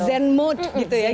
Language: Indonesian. zen mode gitu ya